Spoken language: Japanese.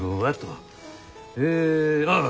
えああ。